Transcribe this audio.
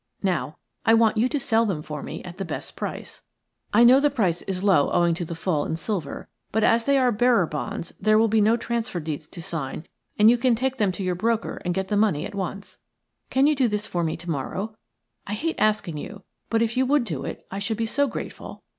Now, I want you to sell them for me at the best price. I know the price is low owing to the fall in silver, but as they are bearer bonds there will be no transfer deeds to sign, and you can take them to your broker and get the money at once. Can you do this for me to morrow? I hate asking you, but if you would do it I should be so grateful.